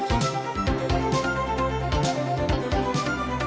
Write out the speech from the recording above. rất tuyệt đleo da